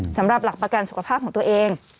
สำหรับหลักประกันสุขภาพของตัวเอง